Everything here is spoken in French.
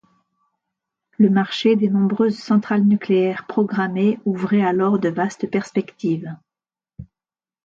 Le marché des nombreuses centrales nucléaires programmées ouvraient alors de vastes perspectives.